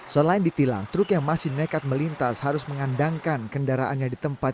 selain ditilang truk yang masih nekat melintas harus mengandangkan kendaraannya di tempat